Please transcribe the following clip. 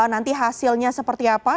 nanti hasilnya seperti apa